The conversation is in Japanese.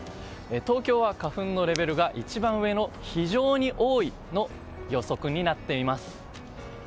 東京は花粉のレベルが一番上の非常に多いの予測になっています。